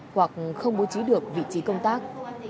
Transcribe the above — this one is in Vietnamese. hoặc không bố trí được vị trí công tác